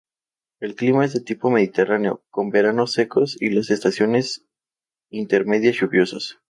El clima es de tipo mediterráneo, con veranos secos y las estaciones intermedias lluviosas.